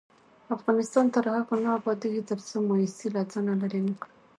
افغانستان تر هغو نه ابادیږي، ترڅو مایوسي له ځانه لیرې نکړو.